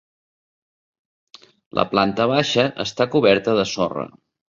La planta baixa està coberta de sorra.